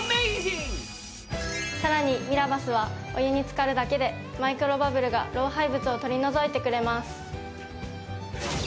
さらにミラバスはお湯に浸かるだけでマイクロバブルが老廃物を取り除いてくれます。